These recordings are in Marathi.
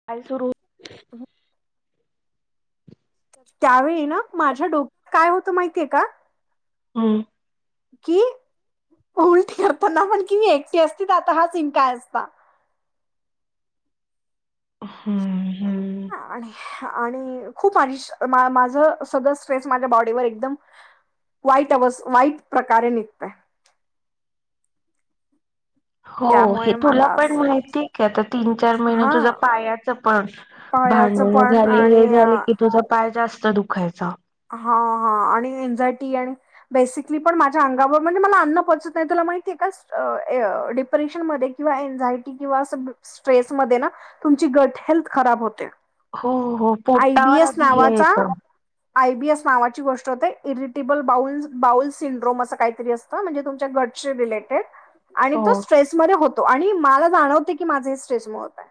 [inaudible] [inaudible] त्यावेळी ना, माझ्या डोक काय होतं माहिती का? हम्. कि, उलटी करतना पण कि एकटी असती तर आता हा सीन काय असता? [inaudible] आणि खूप माझी, माझं सगळं स्ट्रेस माझ्या बॉडीवर एकदम वाईट अवस् वाईट प्रकारे निघत. हो हे त्यामुळे तुला मला पण असं माहिती का आता तीन चार महिन हा तुझा पायाच पण पायाचं भांडण पण झाले हे आणि झाले हा की तुझा पाय जास्त दुखायचा. हा हा आणि एनझायटी बेसिकली पण माझ्या अंगावर म्हणजे मला अन्न पचत नाही तुला माहिती आहे का? डिप्रेशन म किंवा एनझायटी किंवा अस स्ट्रेसमध्ये ना तुमची गट हेल्थ खराब होते. हो हो पोटावर आधी हे येत. आय बी एस नावाची गोष्ट होते, इरिटेबल बाउल बाउल सिंड्रोम असं काहीतरी असत. म्हणजे तुमच्या गटशी रिलेटेड आणि तो हो स्ट्रेसमध्ये होतो आणि मला जाणवते की माझं हे स्ट्रेस मूळ होत आहे.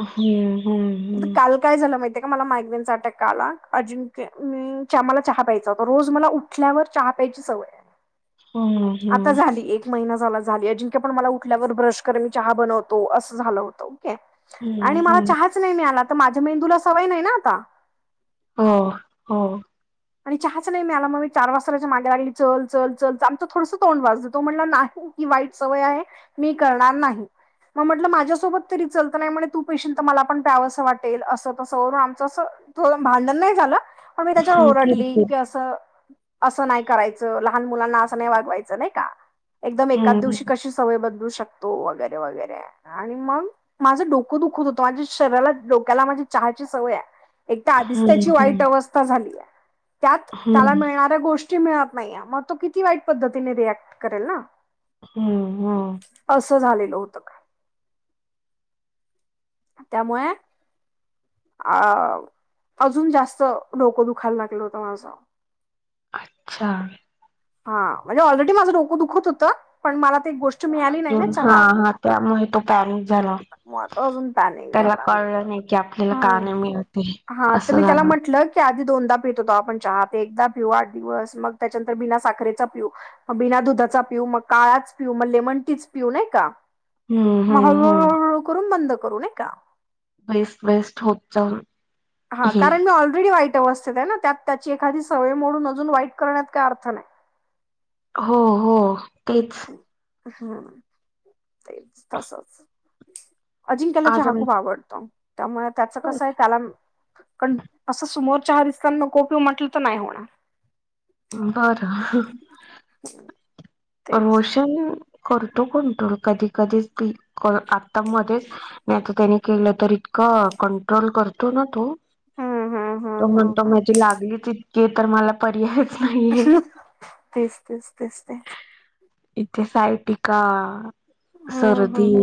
हम्म हम्म आहे हम्म.... काल काय झालं माहिती का मला मायग्रेन चार अटॅक का आला? अजंक्य मला चहा प्यायचा होता रोज मला उठल्यावर चहा प्यायची सवय आहे [inaudible] हम्म आता हम्म झाली एक महिना झाला झाली, अजिंके पण मला उठल्यावर ब्रश कर मी चहा बनवतो असं झालं होत ओके. आणि हम्म हम्म मला हम्म चहाच नाही मिळाला तर माझ्या मेंदूला सवय नाही ना आता हो हो, आणि चहाच नाही मिळाला मला मग चार वाजता त्याच्या माग्या लागली चल चल चल च आमचं थोडसं तोंड तो म्हटला नाही. ही वाईट सवय आहे मी करणार नाही. मग म्हटलं माझ्यासोबत तरी चल तर नाही म्हणे तू पेशील तर मला पण प्यावसं वाटेल असं तसं वून आमचं असं- भांडण नाही झालं, पण मी त्याच्यावर हम्म ओरडले- किरकिर असं नाही करायचं लहान मुलांना असं नाही वागवायचं नाही का? एकदम एकाच हम्म दिवशी कशी सवय बदलू शकतो वगैरे वगैरे- आणि मग. माझं डोकं दुखत होतं माझ्या शरीराला डो शरीराला चहाची सवय आहे एकदा आधीच त्याची हम्म वाईट हम्म अवस्था झाली आहे. त्यात त्याला हम्म मिळणाऱ्या गोष्टी मिळत नाही मग तो किती वाईट पद्धतीने रिॲक्ट करेल ना- हम्म हम्म- असं झालेलं होतं का? त्यामुळे- अ अजून जास्त डोकं दुखायला लागलं होतं माझं- अच्छा- हा म्हणजे ऑलरेडी माझं रोकं दुखत होतं पण मला ते एक गोष्ट- मिळाली नाही ना अजून हा चहा हा त्यामुळे तो पॅनिक झाला. वातावरण पॅनिक त्याला झाल, कळलं नाही की आपल्याला का नाही मिळत हे ह हा तर असं मी त्याला झालं. म्हटलं आधी दोनदा पितो आपण चहा ते एकदा पिऊू आठ दिवस मग त्याच्यानंतर बिना साखरेचा पिऊ मग बिना दुधाचा पिऊ मग काळाच पिऊ मग लेमनटीच पिऊ नाही का? हम्म मग हम्म हम्म हळूहळू करून बंद करू नाही का? बेस्ट बेस्ट होप चाऊ- हा कारण मी ऑलरेडी वाईट अवस्थेत आहे ना, त्यात त्याची एखादी सवय मोडून अजून वाईट करण्यात काय अर्थ नाही. हो हो, तेच- हम् ते तसच अजिंक्यला आज चहा आम्ही खूप आवडतो त्यामुळे त्याच कसं आहे त्याला कारण असं समोर चहा दिसताना नको पिवू म्हटलं तर नाही होणार बरं हो तेच करतो कोण कधी कधीच आता मध्येच- नाही आता त्यानी केलं तर इतकं कंट्रोल करतो ना तो हम्म हम्म तो हम्म हम्म म्हणतो हम्म माझी लागलीच इतके तर मला पर्याय तेच तेच तेच तेच इथे सायाटिका, हम्म सर्दी हम्म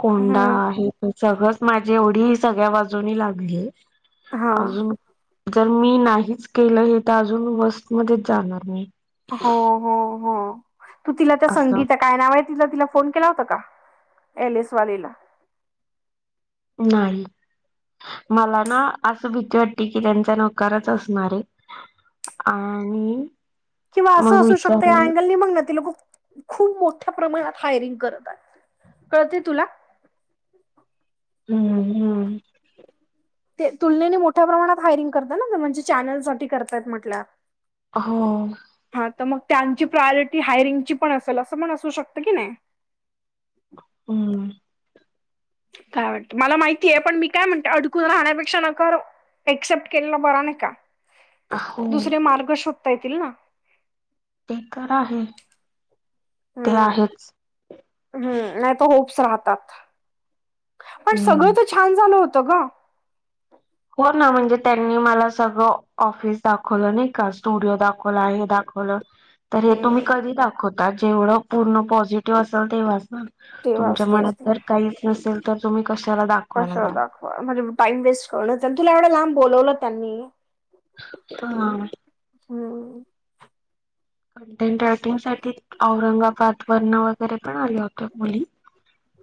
कोंडा, हम्म हे सगळंच माझी एवढी सगळ्या बाजूंनी लागली हा अजून जर मी नाहीच केलं हे तर अजून मध्ये जाणार मी हो हो हो तू तिला त्या असं संगीता काय नाव आहे तिच तिला फोन केला होतास का? एल एस वालीला नाही. मला ना अस भीती वाटते की त्यांचा नकारच असणार आहे. आणि किंवा मग असं असू शकतं या विचारून अँगलनी बघ ना तिला खूप खूप मोठ्या प्रमाणात हायरिंग करताय कळतय तुला हू हू ते तुलनेने मोठ्या प्रमाणात हायरिंग करत ना म्हणजे चॅनलसाठी करतायत म्हटल्या हो हां तर मग त्यांची प्रायोरिटी हायरिंगची पण असेल असं पण असू शकतं की नाही! हम्म. काय वाटतं, मला माहिती आहे पण मी काय म्हणते अडकून राहण्यापेक्षा नका राहू. एक्सेप्ट केलेला बरा नाही का, हो दुसरे मार्ग शोधता येतील ना. ते तर आहे. ते हम्म आहेच हम्म नाही तर होप्स राहतात. पण हम्म सगळं तर छान झालं होतं गं! हो ना म्हणजे त्यांनी मला सगळं ऑफिस दाखवलं नाही का स्टुडिओ दाखवला हे दाखव वल तर हे तुम्ही हम्म कधी दाखवता जेवढं पूर्ण पॉझिटिव्ह असेल तेव्हाच ना. ते तुमच्या वाचतेच ते. मनात जर काहीच नसेल तर तुम्ही कशाला दाखवायला कशाला जाल! म्हणजे टाईम वेस्ट करण, तुला एवढं लांब बोलवलं त्यांनी हम्म, हां. हम्म. कंटेंट रायटिंग साठी औरंगाबाद वरन वगैरे पण आल्या होत्या मुली.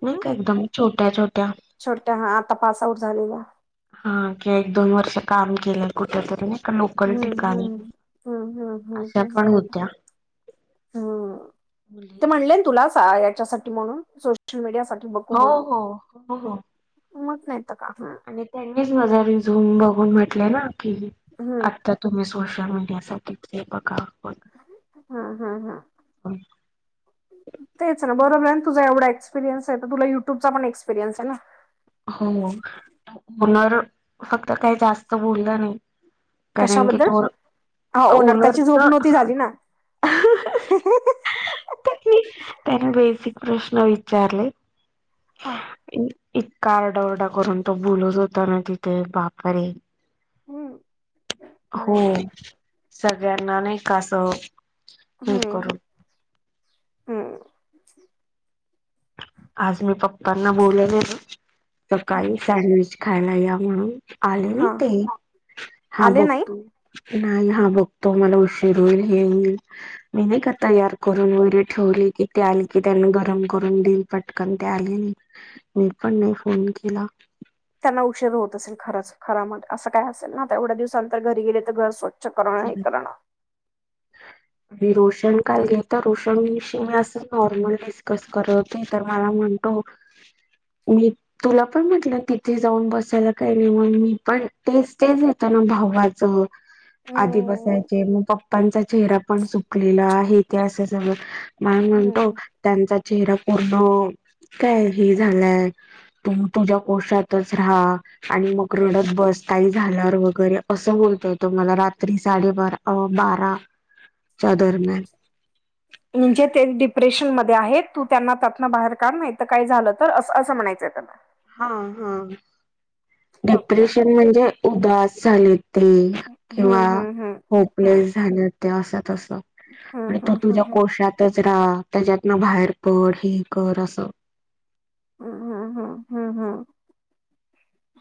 नाही का हम्म. एकदम छोट्या छोट्या. छोट्या हां आता पासआउट झालेल्या. हां की एक दोन वर्ष काम केलं कुठेतरी ना हम्म हम्म, हम्म हम्म हम्म अशा हम्म पण हम्म. होत्या हम्म मुली ते म्हणले न तुला याच्यासाठी म्हणून सोशल मीडिया साठी बघू हो म्हणून हो हो हो मग नाही तर का? आणि त्यांनीच माझा रेस्यूम बघून म्हटले ना की हम्म, आता तुम्ही सोशल मीडिया साठीच हे बघा. बघा. हम्म हम्म हम्म. तेच ना बरोबरं आहे ना तुझा एवढा एक्सपिरयन्स आहे तर तुला यू ट्यूबचा पण एक्सपिरियनस आहे ना. हो ऑनर फक्त काही जास्त बोललं नाही. कारण की कशाबद्दल तो ऑनर ओनर त्याची झोप तर नव्हती हा झाली ना! त्याने बेसिक प्रश्न विचारले, हा. आणि इतका आरडा ओरडा करून तो बोलत होता ना की काय बापरे! हम्म, हो हम्म, सगळ्यांना नाही का कसं हम्म हम्म. आज मी पप्पांना बोलावलेली हम्म. सकाळी सँडविच खायला या म्हणून. आले नाही हा ते, हां आले नाही बघतो नाही हां बघतो मला उशीर होईल हे होईल मी नाही का तयार करून वगैरे ठेवले की ते आले की त्यांना गरम करून देईल पटकन ते आले नाही, मी पण नाही फोन केला. त्यांना उशीर होत असेल खरंच घरामध्ये असं काय असेल ना आता एवढ्या दिवसांंन तर घरी गेले तर घर स्व स्वच्छ करणं हे करणं. [inaudible] मी रोशन काल घेत रोशन विषयी मी असं नॉर्मल डिस्कस करत होते तर मला म्हणतो मी तुला पण म्हटलं तिथे जाऊन बसायला काही नाही म्हणून मी पण तेच तेच येतना भावाचं आधी हम्म बसायचे मग पप्पांचा चेहरा पण सुकलेला आहे ते असं सगळं मग आणि म्हणतो हम्म त्यांचा चेहरा पूर्ण काय हे झालाय तू तुझ्या कोशातच राहा. आणि मग रडत बस काही झाल्यावर वगैरे असं बोलतो तो मला रात रात्री साडे बारा अ बाराच्या दरम्यान म्हणजे ते डिप्रेशन मध्ये आहेत, तू त्यांना त्यातनं बाहेर काढ नाही तर काय झालं तर? असं असं म्हणायचं त्यांना. हा हा. ओके डिप्रेशन म्हणजे उदास झाले ते किंवा हम्म हम्म हम्म होपलेस झाल्या त्या असं तसं हम्म आणि तू तुझ्या हम्म कोशात तिथंच राहा तेच्यातनं बाहेर पड हे कर असं. हम्म हम्म हम्म हम्म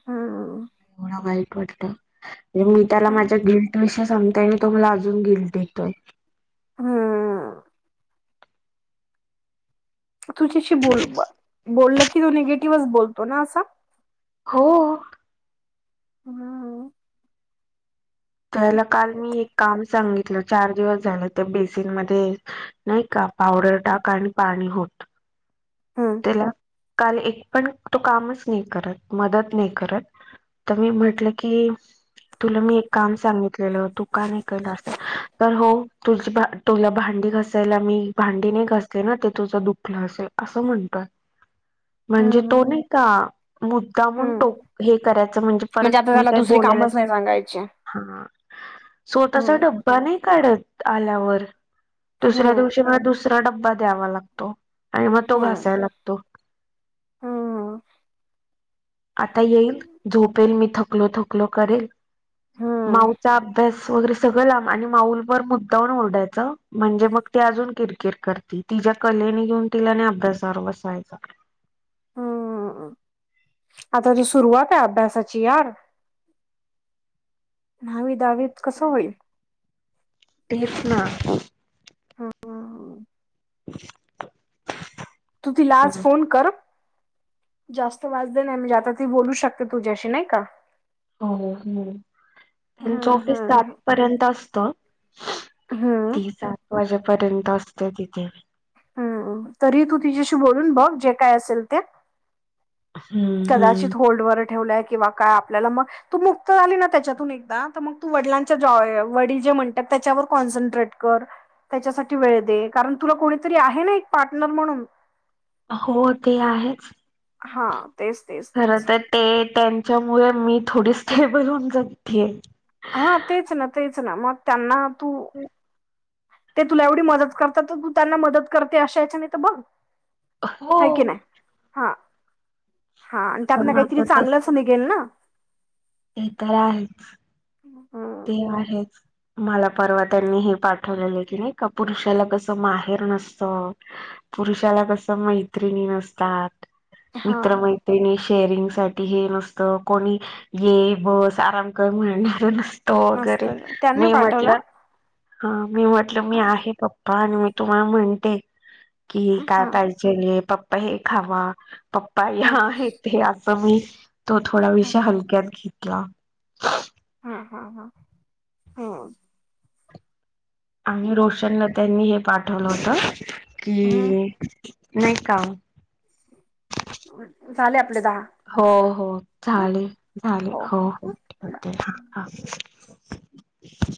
हम्म. हो ना वाईट वाटतं. म्हणजे मी त्याला हम्म माझ्या गिल्ट विषयी सांगते आणि तो मला आजून गिल्ट देतोय. हम्म. तुझ्याशी बोल बोला की तो निगेटिव्हचं बोलतो ना असा? हो. हा. त्याला काल मी एक काम सांगितलं चार दिवस झालं त्या बेसीनमध्ये नाही का पावडर टाक आणि पाणी ओत. हम्म तेला काल एक पण तो कामचं नाही करत मदत नाही करत तर मी म्हटलं की तुला मी एक काम सांगितलेलं तू का नाही केलं असं तर हो तुझी भा तुला भांडी घासायला मी भांडी नाही घासले ना ते तुझं दुखलं असेल असं म्हण ला म्हणजे हम्म तो नाही का मुद्दामून हम्म टो हे करायचं म्हणजे परत मी काही बोलायलाच नाही सांगायचे. हा स्वतःचा डब्बा नाही काढत आल्यावर. दुसऱ्या हम्म दिवशी मला दुसरा डब्बा द्यावा लागतो. तेव्हा तो घास हम्म य लागतो. हम्म आता येईल झोपेल मी थकलो थकलो करेल. हम्म माऊचा अभ्यास वगैरे सगळ लांब आणि माऊवर मुद्दामून ओरडायचं म्हणजे मग ती आजून किरकिर करती. तिच्या कलेने घेऊन तिला आणि अभ्यासावर बसवायचं. हम्म आता तर सुरुवात आहे अभ्यासाची यार. नावी दहावीत कसं होईल? तेच ना. हम्म. [inaudible] तू तिला आज फोन कर. जास्त वाजले नाही म्हणजे आता ती बोलू शकते तुझ्याशी नाही का? हो, हम्म. त्यांचं हम्म ऑफिस हम्म सातपर्यंत असतं, हम्म ती सात वाजेपर्यंत असते तिथे. हम्म तरी तू तिच्याशी बोलून बघ जे काय असेल ते. हम्म हम्म. कदाचित होल्डवर ठेवलाय किंवा काय आपल्याला मग तू मुक्त झाली ना त्याच्यातून एकदा तर मग तू वडिलांच्या जॉ वडील जे म्हणतात तेच्यावर कॉन्सन्ट्रेट कर. त्याच्यासाठी वेळ दे कारण तुला कोणीतरी आहे ना एक पार्टनर म्हणून. हो ते आहेच. हा. तेच तेच. खरं तेच तर ते, त्यांच्यामुळे मी थोडी स्टेबल होऊन जगतेय. हा, तेच ना. तेच ना. मग त्यांना तू [unintelligible] ते तुला एवढी मदत करतात. तर तू त्यांना मदत करते, अशा याच्याने तर बघ. हो. हाय की नाय. हा, हा. त्यातंन काहीतरी माझं तस चांगलंच निघेल ना? ते तर आहेच. ते हम्म. आहेच. मला परवा त्यांनी हे पाठवलेलं की, नाही का? पुरुषाला कसं, माहेर नसतं. पुरुषाला कसं, मैत्रिणी नसतात. हा मित्र मै त्रिणी, शेअरिंग साठी हे नसतं. कोणी ये, बस, आराम कर, म्हणणार नसतं. तो मस्त वगैरे. त्यांनी मी म्हटलं पाठवला हा. मी म्हटलं, मी हा आहे पप्पा. अन् मी तुम्हाला म्हणते कि, हा काय हा पाहिजेल पप्पा. हे खावा. पप्पा हा हां हे ते आ तर मी, तो थोडा विषय हलक्यात घेतला. ह, ह, ह. हम्म. आणि रोशनला त्यांनी हे पाठवलं होतं. की, नाही का ह झाले आपले दहा. हो, हो, हं? झाले. झाले. हो, हो. ठेवा. [inaudible]